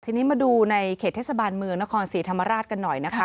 ทีนี้มาดูในเขตเทศบาลเมืองนครศรีธรรมราชกันหน่อยนะคะ